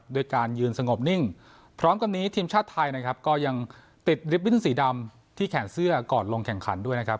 โดยการยืนสงบนิ่งพร้อมกันนี้ทีมชาติไทยนะครับก็ยังติดลิฟตบิ้นสีดำที่แขนเสื้อก่อนลงแข่งขันด้วยนะครับ